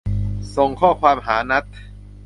ส่งข้อความหานัท